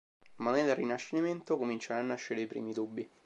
Ma nel Rinascimento cominciano a nascere i primi dubbi.